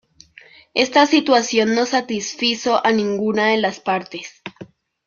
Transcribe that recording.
Esta situación no satisfizo a ninguna de las partes.